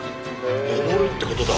上るってことだ。